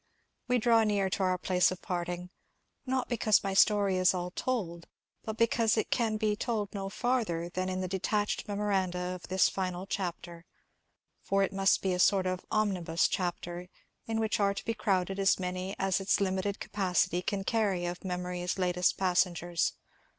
We draw near to our place of parting ; not because my story is all told, but because it can be told no &rther than in the detached memoranda of this final chapter. For it must be a sort of omnibus chapter, in which are to be crowded as many as its limited capacity can carry of memory's latest passengers.